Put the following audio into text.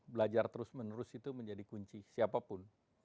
belajar terus menerus itu menjadi kunci siapapun